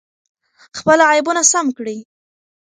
خپل عیبونه سم کړئ.